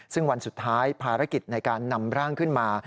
ซึ่งวันสุดท้ายภารกิจในการนำร่างขึ้นมา